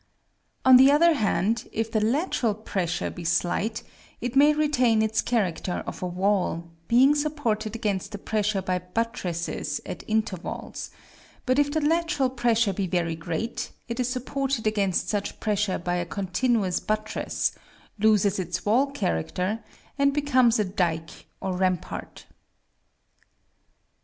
On the other hand, if the lateral pressure be slight, it may retain its character of a wall, being supported against the pressure by buttresses at intervals; but if the lateral pressure be very great, it is supported against such pressure by a continuous buttress, loses its wall character, and becomes a dyke or rampart.